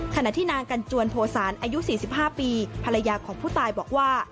ขณะที่นางกันจวนโพศาลอายุ๔๕ปีภรรยาของผู้ตายบอกว่า